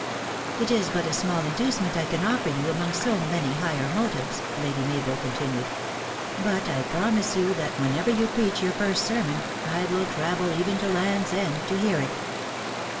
" It is but a small inducement I can offer you, among so many higher motives," Lady Mabel con tinued. " But I promise you, that, whenever you preach your first sermon, I will travel even to Land s end to hear it."